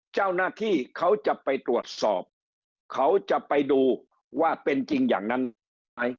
เจ้าหน้าที่เขาจะไปตรวจสอบเขาจะไปดูว่าเป็นจริงอย่างนั้นได้ไหม